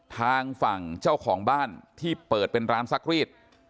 ทางฝั่งเจ้าของบ้านที่เปิดเป็นร้านซักรีด